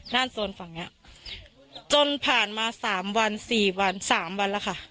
โซนฝั่งเนี้ยจนผ่านมา๓วัน๔วัน๓วันแล้วค่ะ